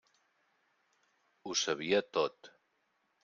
Ho sabia tot.